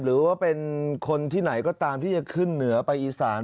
หรือว่าเป็นคนที่ไหนก็ตามที่จะขึ้นเหนือไปอีสาน